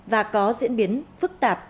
và có diễn biến phức tạp